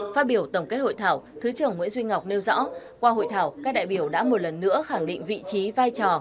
phát biểu tổng kết hội thảo thứ trưởng nguyễn duy ngọc nêu rõ qua hội thảo các đại biểu đã một lần nữa khẳng định vị trí vai trò